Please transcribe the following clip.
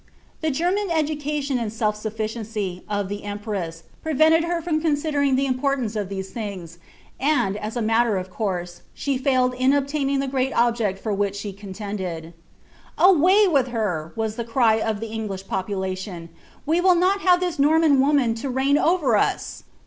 The Geniuiii educBliun, and the «elf 4ufficieDcv, of the empress, prevfn led her from considering ihe imporlauce of these lhing», and, as a iiiatier of course, she failed in obtaining the great object for which she conlended "Anay with her!" was the cry of tlie English populaljoa; "we will noi have this Nonnan woman to reigu over us."